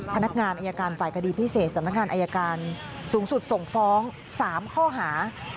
พนักงานอายการฝ่ายคดีพิเศษสำนักงานอายการสูงสุดส่งฟ้อง๓ข้อหา